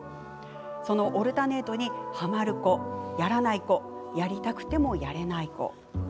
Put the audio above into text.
オルタネートにはまる子、やらない子やりたくてもやれない子。